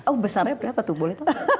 oh besarnya berapa tuh